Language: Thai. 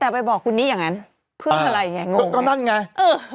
แต่ไปบอกคนนี้อย่างนั้นเพื่ออะไรไงงดก็นั่นไงเออ